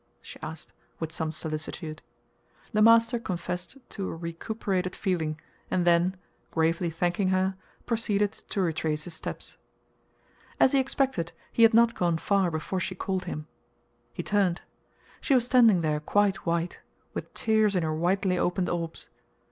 she asked, with some solicitude. The master confessed to a recuperated feeling, and then, gravely thanking her, proceeded to retrace his steps. As he expected, he had not gone far before she called him. He turned. She was standing there quite white, with tears in her widely opened orbs.